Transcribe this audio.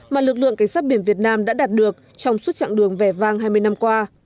mà lực lượng cảnh sát biển việt nam đã đạt được trong suốt chặng đường vẻ vang hai mươi năm qua